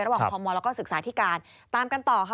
ระหว่างภอมูลและก็ศึกษาธิการตามกันต่อค่ะ